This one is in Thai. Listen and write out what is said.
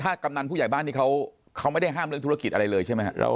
ถ้ากำนันผู้ใหญ่บ้านนี่เขาไม่ได้ห้ามเรื่องธุรกิจอะไรเลยใช่ไหมครับ